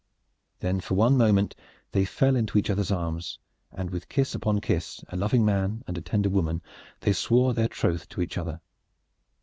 Then for one moment they fell into each other's arms and with kiss upon kiss, a loving man and a tender woman, they swore their troth to each other.